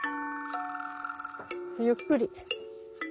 ゆっくり。